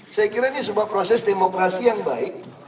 saya kira ini sebuah proses demokrasi yang baik